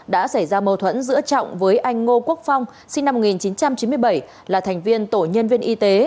đã xảy ra mâu thuẫn giữa trọng với anh ngô quốc phong sinh năm một nghìn chín trăm chín mươi bảy là thành viên tổ nhân viên y tế